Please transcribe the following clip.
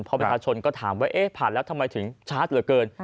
พอประชาชนก็ถามว่าเอ๊ะผ่านแล้วทำไมถึงชาร์จเหลือเกิน